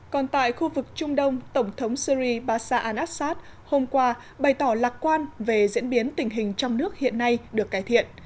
còn tại khu vực trung đông tổng thống syri basa an assad hôm qua bày tỏ lạc quan về diễn biến tình hình trong nước hiện nay được cải thiện